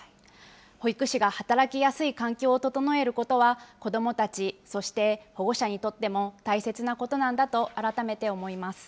保育士が働きやすい環境を整えることは、子どもたち、そして保護者にとっても大切なことなんだと改めて思います。